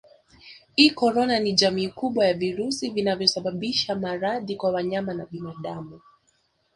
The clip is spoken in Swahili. ïCorona ni jamii kubwa ya virusi vinavyosababisha maradhi kwa wanyama na binadamu